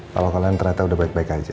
kalau kalian ternyata udah baik baik aja